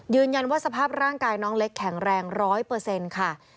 ยืนยันว่าสภาพร่างกายน้องเล็กแข็งแรงร้อยเปอร์เซ็นต์ค่ะ